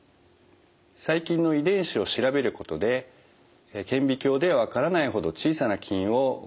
細菌の遺伝子を調べることで顕微鏡では分からないほど小さな菌を判別することができます。